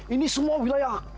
ini semua wilayah